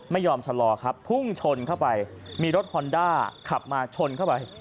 ไม่ยอมชะลอครับพุ่งชนเข้าไปมีรถฮอนด้าขับมาชนเข้าไป